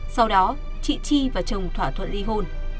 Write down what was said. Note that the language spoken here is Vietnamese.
sau đó chị chi và chồng thỏa thuận ly hôn